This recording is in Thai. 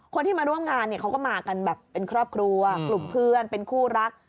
คนที่มาร่วมงานเขาก็มาเป็นครอบครัวกลุ่มเพื่อนเป็นคู่รัก